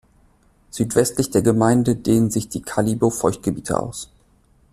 Südwestlich der Gemeinde dehnen sich die Kalibo-Feuchtgebiete aus.